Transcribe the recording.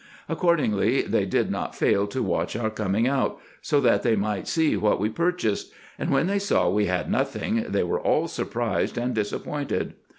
Accordingly they did not fail to watch our coming out, so that they might see what we purchased ; and when they saw we had nothing they were all surprised and disappointed.